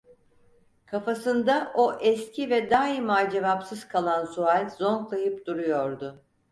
Kafasında, o eski ve daima cevapsız kalan sual zonklayıp duruyordu: